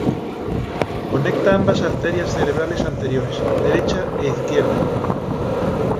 Conecta ambas "arterias cerebrales anteriores", derecha e izquierda.